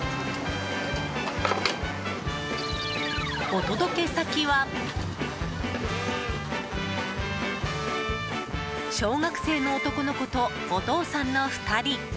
お届け先は小学生の男の子とお父さんの２人。